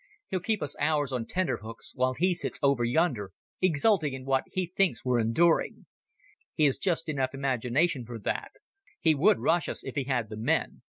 He'll keep us hours on tenterhooks, while he sits over yonder exulting in what he thinks we're enduring. He has just enough imagination for that ... He would rush us if he had the men.